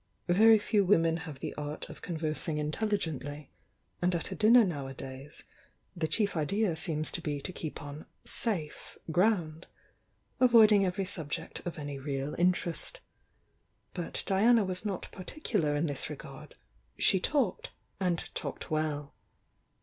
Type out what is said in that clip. Very few women have the art of conversing intc Uigently, and at a dinner nowadays the chief idea seems to be to keep on "safe" ground, avoiding every subject of any real interest. But Diana was not particular in this re gard, — she talked, and talked well.